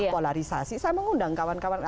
polarisasi saya mengundang kawan kawan